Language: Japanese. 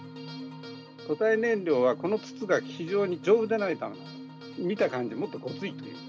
固体燃料は、この筒が非常に丈夫でないとだめ、見た感じ、もっとごつい。